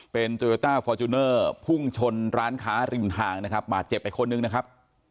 เป็นโตโยต้าฟอร์จูเนอร์พุ่งชนร้านค้าริมทางนะครับบาดเจ็บไปคนหนึ่งนะครับ